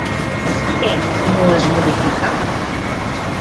Què no es modifica?